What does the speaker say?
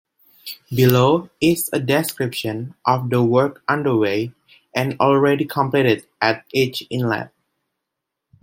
Below is a description of the work underway and already completed at each inlet.